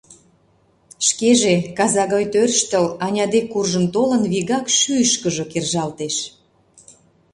Шкеже, каза гай тӧрштыл, Аня деке куржын толын, вигак шӱйышкыжӧ кержалтеш.